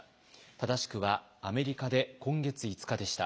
正しくは、アメリカで今月５日でした。